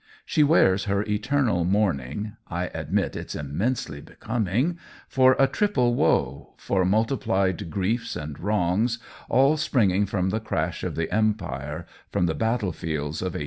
She wears her eternal mourning (I admit it's immensely becoming) for a triple woe, for multiplied griefs and wrongs, all spring ing from the crash of the Empire, from the battle fields of 1870.